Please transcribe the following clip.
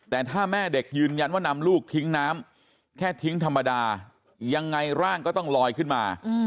แต่ถ้าแม่เด็กยืนยันว่านำลูกทิ้งน้ำแค่ทิ้งธรรมดายังไงร่างก็ต้องลอยขึ้นมา